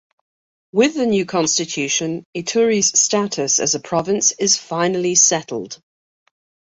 With the new constitution, Ituri's status as a province is finally settled.